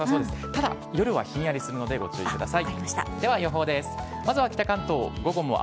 ただ夜はひんやりするので、ご注意ください。